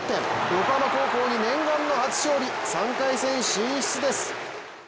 横浜高校に念願の初勝利、３回戦進出です。